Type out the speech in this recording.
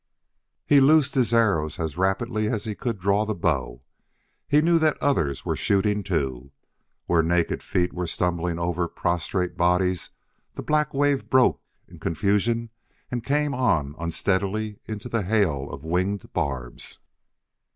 He loosed his arrows as rapidly as he could draw the bow; he knew that others were shooting too. Where naked feet were stumbling over prostrate bodies the black wave broke in confusion and came on unsteadily into the hail of winged barbs.